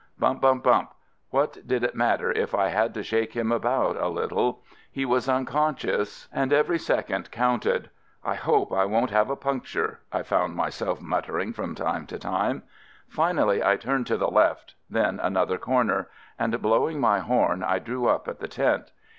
Bump, bump, bump, — what did it matter if I had to shake him about a little, — he was unconscious, and every FIELD SERVICE 103 second counted. "I hope I won't have a puncture," I found myself muttering from time to time. Finally, I turned to the left — then another corner, — and blowing my horn I drew up at the tent.